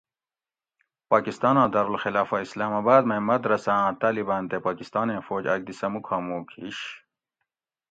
پاکستاناں دارالخلافہ اسلام آباۤد مئ مدرسۂ آۤں طاۤلباۤن تے پاکستانیں فوج آۤک دی سہۤ مُکھامُوک ہیش